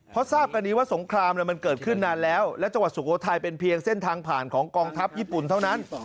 เพราะทราบกันดีว่าสงครามมันเกิดขึ้นนานแล้วและจังหวัดสุโขทัยเป็นเพียงเส้นทางผ่านของกองทัพญี่ปุ่นเท่านั้น